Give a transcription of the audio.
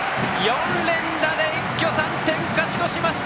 ４連打で一挙３点勝ち越しました！